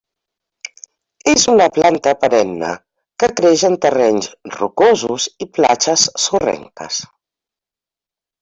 És una planta perenne que creix en terrenys rocosos i platges sorrenques.